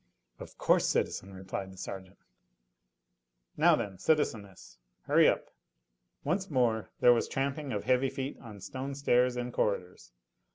"Of course, citizen," replied the sergeant. "Now, then, citizeness hurry up." Once more there was tramping of heavy feet on stone stairs and corridors.